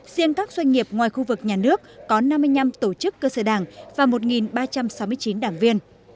riêng các doanh nghiệp ngoài khu vực nhà nước có năm mươi năm tổ chức cơ sở đảng và một ba trăm sáu mươi chín đảng viên